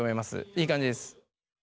いい感じです。